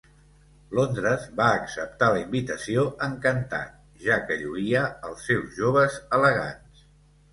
Londres va acceptar la invitació encantat ja que lluïa els seus joves elegants.